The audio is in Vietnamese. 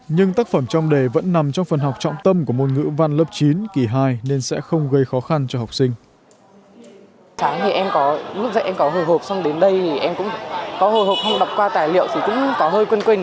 nhưng tác phẩm trong đề vẫn nằm trong phần học trọng tâm của môn ngữ văn lớp chín kỳ hai nên sẽ không gây khó khăn cho học sinh